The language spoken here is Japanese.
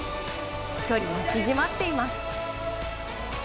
距離が縮まっています。